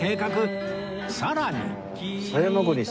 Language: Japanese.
さらに